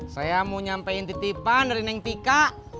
saya mau nyampein titipan dari neng tika